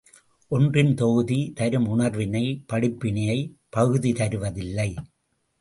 ஒன்றின் தொகுதி தரும் உணர்வினை, படிப்பினையைப் பகுதி தருவதில்லை.